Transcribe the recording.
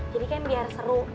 jadi kan biar seru